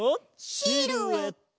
シルエット！